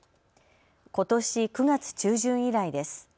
ことし９月中旬以来です。